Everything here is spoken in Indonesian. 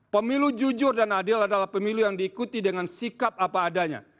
pemilu jujur dan adil adalah pemilu yang diikuti dengan sikap apa adanya